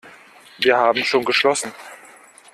Wir haben schon geschlossen.